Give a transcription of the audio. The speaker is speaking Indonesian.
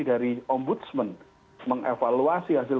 dari ombudsman mengevaluasi hasil